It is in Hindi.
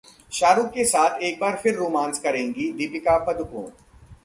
शाहरुख के साथ एक बार फिर रोमांस करेंगी दीपिका पादुकोण